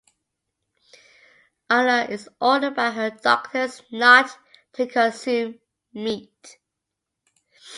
Ana is ordered by her doctors not to consume meat.